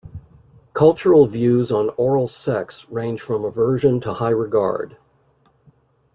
Cultural views on oral sex range from aversion to high regard.